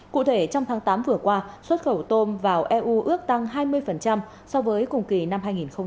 cụ thể trong tháng tám vừa qua xuất khẩu tôm vào eu ước tăng hai mươi so với cùng kỳ năm hai nghìn một mươi tám